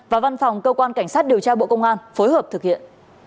và văn phòng cơ quan cảnh sát điều tra bộ công an phối hợp thực hiện